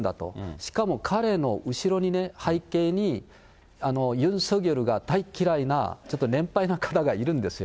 しかも彼の後ろに、背景にユン・ソギョルが大っ嫌いなちょっと年配な方がいるんですよ。